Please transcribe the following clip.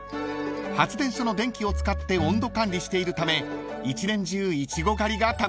［発電所の電気を使って温度管理しているため一年中イチゴ狩りが楽しめます］